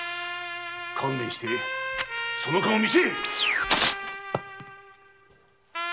観念してその顔を見せい！